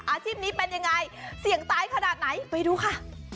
อาชีพนี้เป็นยังไงเสี่ยงตายขนาดไหนไปดูค่ะ